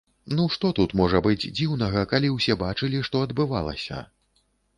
Ну што тут можа быць дзіўнага, калі ўсе бачылі, што адбывалася.